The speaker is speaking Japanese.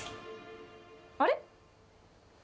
あれ？